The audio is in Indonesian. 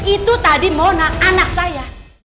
itu tadi mona anak saya